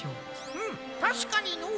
ふむたしかにのう。